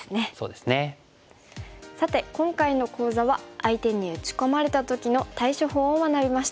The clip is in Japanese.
さて今回の講座は相手に打ち込まれた時の対処法を学びました。